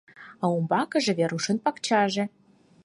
А умбакыже — Верушын пакчаже.